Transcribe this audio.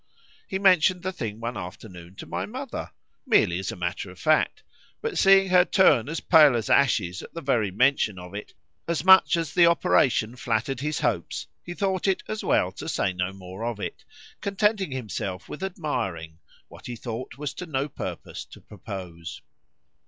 —He mentioned the thing one afternoon to my mother,——merely as a matter of fact; but seeing her turn as pale as ashes at the very mention of it, as much as the operation flattered his hopes,—he thought it as well to say no more of it,——contenting himself with admiring,—what he thought was to no purpose to propose.